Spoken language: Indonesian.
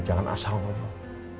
jangan asal menolong